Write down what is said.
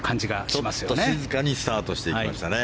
ちょっと静かにスタートしていきましたね。